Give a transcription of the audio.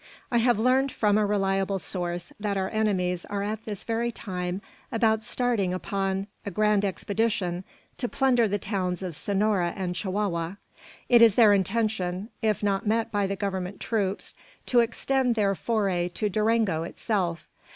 "I have learned, from a reliable source, that our enemies are at this very time about starting upon a grand expedition to plunder the towns of Sonora and Chihuahua. "It is their intention, if not met by the Government troops, to extend their foray to Durango itself.